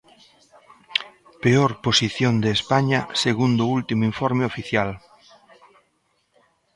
Peor posición de España segundo o último informe oficial.